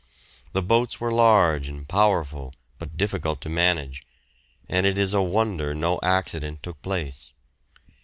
The boats were large and powerful, but difficult to manage, and it is a wonder no accident took place.